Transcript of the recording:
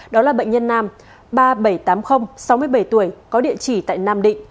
đó là bệnh nhân nam ba nghìn bảy trăm tám mươi sáu mươi bảy tuổi có địa chỉ tại nam định